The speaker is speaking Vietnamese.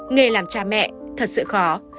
nghề làm cha mẹ thật sự khó